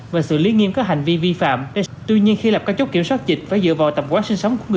và xử lý nghiêm các hành vi vi phạm tuy nhiên khi lập các chốt kiểm soát dịch phải dựa vào tập quán sinh sống của người